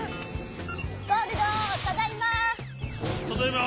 ただいま。